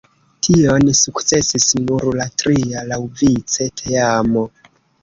Tion sukcesis nur la tria laŭvice teamo.